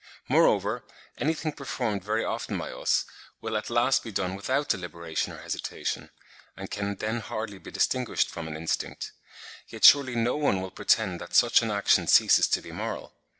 Moreover, anything performed very often by us, will at last be done without deliberation or hesitation, and can then hardly be distinguished from an instinct; yet surely no one will pretend that such an action ceases to be moral.